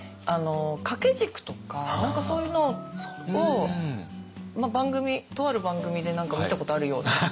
掛け軸とか何かそういうのを番組とある番組で何か見たことあるような。